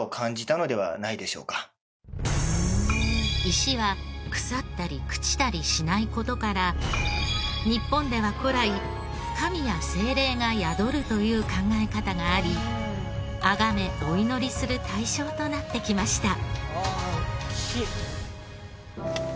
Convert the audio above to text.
石は腐ったり朽ちたりしない事から日本では古来神や精霊が宿るという考え方があり崇めお祈りする対象となってきました。